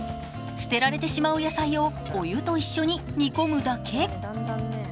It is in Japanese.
捨てられてしまう野菜をお湯と一緒に煮込むだけ。